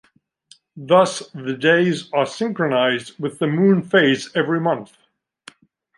Thus the days are synchronized with the moon phase every month.